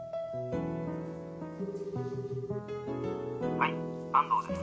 ☎☎「はい安藤です。